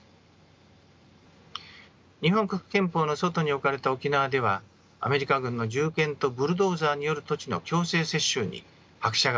日本国憲法の外に置かれた沖縄ではアメリカ軍の銃剣とブルドーザーによる土地の強制接収に拍車がかかりました。